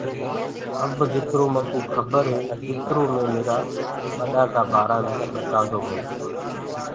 اب جِترو مڪوُ کبر هي اُترو مي ميرآ ٻڏآ ڪآ بآرآ مي ٻتآنٚدو هوٚنٚ۔